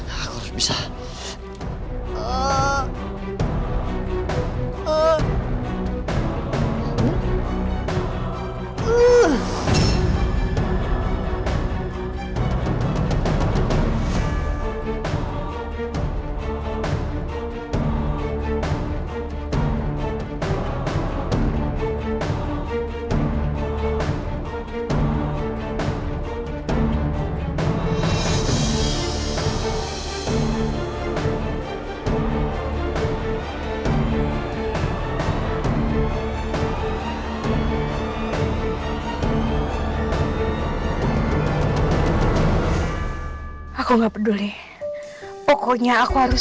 kau cukup bantu aku nanya ya